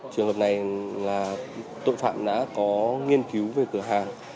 trường hợp này là tội phạm đã có nghiên cứu về cửa hàng